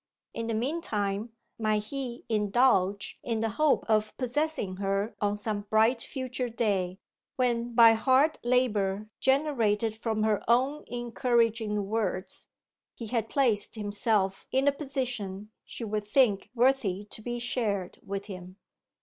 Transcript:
In the meantime might he indulge in the hope of possessing her on some bright future day, when by hard labour generated from her own encouraging words, he had placed himself in a position she would think worthy to be shared with him?